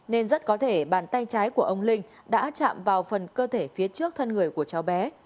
nên rất có thể bàn tay trái của ông linh đã chạm vào phần cơ thể phía trước thân người của cháu bé